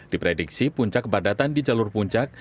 diprediksi puncak kepadatan di jalur puncak